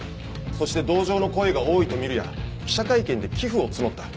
そして同情の声が多いとみるや記者会見で寄付を募った。